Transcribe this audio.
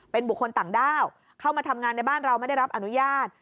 เป็นบุคคลต่างด้าวเข้ามาทำงานในบ้านเราไม่ได้รับอนุญาต